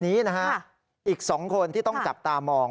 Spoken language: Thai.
นี้นะฮะอีก๒คนที่ต้องจับตามอง